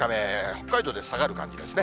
北海道で下がる感じですね。